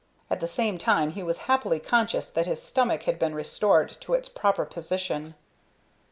At the same time he was happily conscious that his stomach had been restored to its proper position.